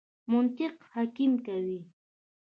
منطق حکم کوي.